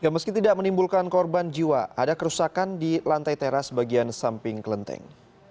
meski tidak menimbulkan korban jiwa ada kerusakan di lantai teras bagian samping kelenteng